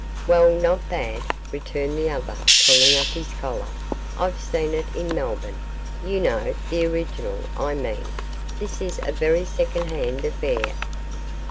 'Well, not bad,' returned the other, pulling up his collar; 'I've seen it in Melbourne, you know the original, I mean; this is a very second hand affair.